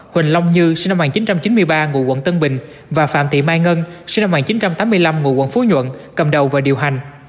huỳnh long như và phạm thị mai ngân cầm đầu và điều hành